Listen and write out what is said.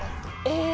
え！